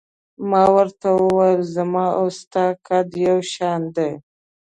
ما ورته وویل: زما او ستا قد یو شان دی.